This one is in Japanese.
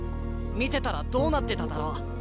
見てたらどうなってただろう？」。